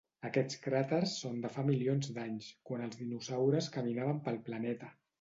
Aquests cràters son de fa milions d'anys, quan els dinosaures caminaven pel planeta.